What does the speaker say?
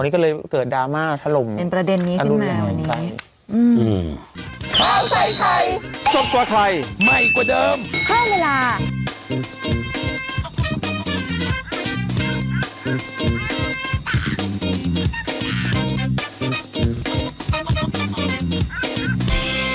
ดีกว่าใครใหม่กว่าเดิม